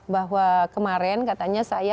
bahwa kemarin katanya saya